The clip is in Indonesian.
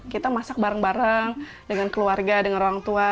kita masak bareng bareng dengan keluarga dengan orang tua